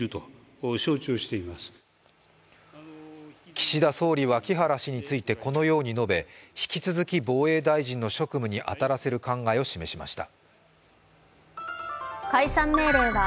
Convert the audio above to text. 岸田総理は木原氏についてこのように述べ、引き続き防衛大臣の職務に当たらせる考えを示しました。